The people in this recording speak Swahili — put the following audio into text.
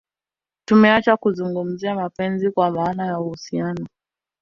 Tumeacha kuzungumzia mapenzi kwa maana ya uhusiano